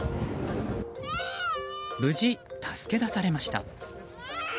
無事、助け出されました。